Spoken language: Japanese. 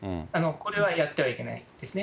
これはやってはいけないですね。